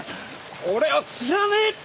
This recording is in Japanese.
俺は知らねえって！